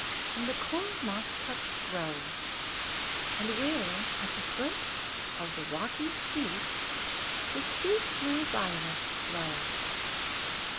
And the coral moss cups grow, And where, at the foot of the rocky steep, The sweet blue violets blow.